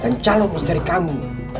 dan calon misteri kamu